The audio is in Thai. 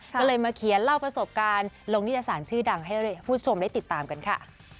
ก็เลยมาเขียนเล่าประสบการณ์ลงนิตยสารชื่อดังให้ผู้ชมได้ติดตามกันค่ะ